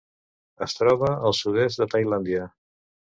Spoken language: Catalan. Es troba al sud-est de Tailàndia.